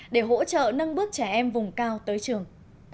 để hỗ trợ nâng bước trẻ em vùng cao tới trường